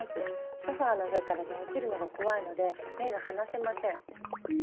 ソファーの上から落ちるのが怖いので目が離せません。